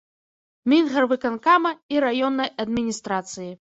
Мінгарвыканкама і раённай адміністрацыі.